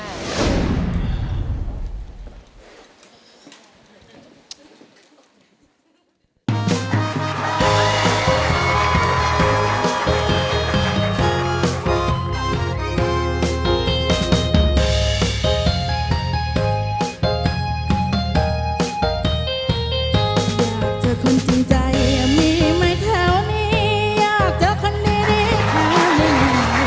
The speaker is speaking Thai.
อยากเจอคนจริงใจมีไหมแถวนี้อยากเจอคนดีคนหนึ่ง